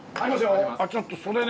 あっちょっとそれね